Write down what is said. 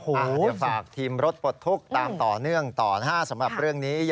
เดี๋ยวฝากทีมรถปลดทุกข์ตามต่อเนื่องต่อนะฮะสำหรับเรื่องนี้